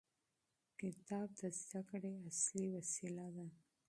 کتاب د زده کړې اصلي وسیله ده.